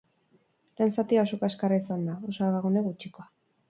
Lehen zatia oso kaskarra izan da, oso abagune gutxikoa.